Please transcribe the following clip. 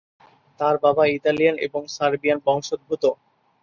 তার বাবা ইতালিয়ান এবং সার্বিয়ান বংশোদ্ভূত।